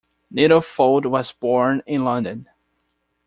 Nettlefold was born in London.